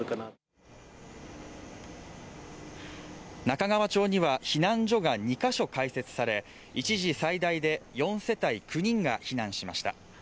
中川町には、避難所が２カ所開設され一時、最大で４世帯９人が避難しました。